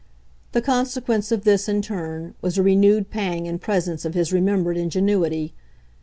The consequence of this, in turn, was a renewed pang in presence of his remembered ingenuity.